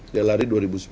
dia lari dua ribu sepuluh